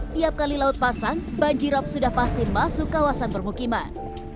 tiap kali laut pasang banjirop sudah pasti masuk kawasan permukiman